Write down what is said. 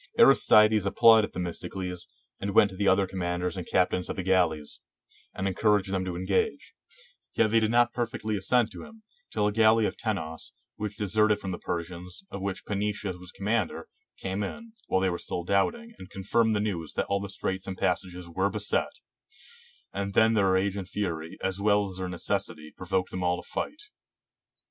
Aristides applauded Themis tocles, and went to the other commanders and captains of the galleys, and encouraged them to engage ; yet they did not perfectly assent to him, till a galley of Tenos, which deserted from the Persians, of which Pansetius was commander, came in, while they were still doubting, and confirmed the news that all the straits and passages were beset; and then their rage and fury, as well as their necessity, provoked them all to fight.